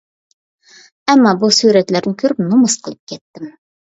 ئەمما بۇ سۈرەتلەرنى كۆرۈپ نومۇس قىلىپ كەتتىم.